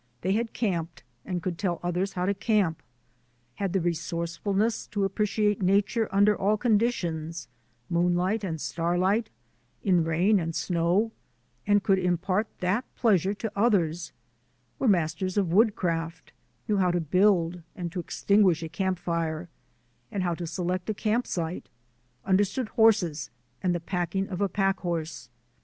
They had camped and could tell others how to camp; 248 THE ADVENTURES OF A NATURE GUIDE had the resourcefulness to appreciate nature under all conditions — moonlight and starlight, in rain and snow — and could impart that pleasure to others; were masters of woodcraft— knew how to build and to extinguish a camp fire and how to select a camp site; understood horses and the pack ing of a pack horse.